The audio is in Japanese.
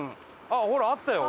あっほらあったよ。